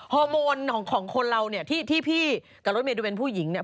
ฮอร์โมนของคนเราเนี่ยที่พี่กับรถเมย์ดูเป็นผู้หญิงเนี่ย